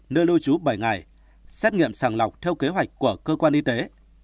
nơi lưu trú bảy ngày xét nghiệm sàng lọc theo kế hoạch của cơ quan y tế